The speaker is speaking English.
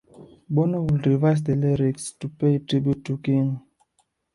Bono would revise the lyrics to pay tribute to King.